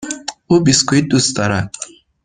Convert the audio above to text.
او بیسکوییت دوست دارد.